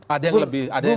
ada yang lebih